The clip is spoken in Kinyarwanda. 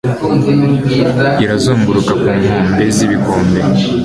irazunguruka ku nkombe zibikombe